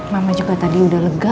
mama juga tadi udah lega